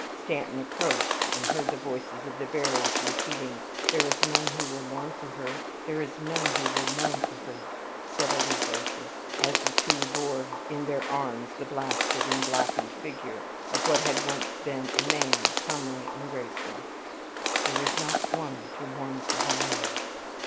Stanton approached, and heard the voices of the bearers repeating, "There is none who will mourn for her!" "There is none who will mourn for her!" said other voices, as two more bore in their arms the blasted and blackened figure of what had once been a man, comely and graceful; "there is not ONE to mourn for her now!"